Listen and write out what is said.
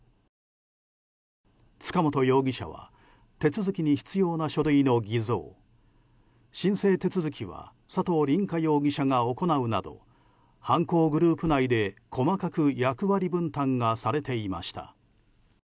塚本容疑者は手続きに必要な書類の偽造申請手続きは佐藤凛果容疑者が行うなど犯行グループ内で、細かく役割分担がされていました。